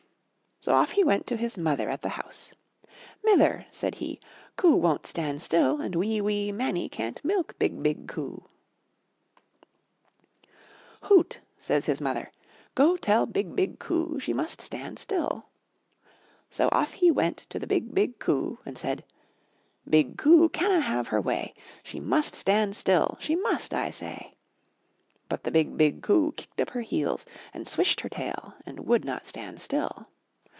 So off he went to his mother at the house. ''Mither,'' said he, ''COO won't stand still, and wee wee Mannie can't milk BIG, BIG COO." 235 MY BOOK HOUSE ^'Hout!*' says his mother. ^^Go tell BIG, BIG COO she must stand still/ ' So off he went to the BIG, BIG COO and said: ^^BIG COO canna' have her way, . She must stand still! She must, I say!" But the BIG, BIG COO kicked up her heels, swished her tail, and would not stand still.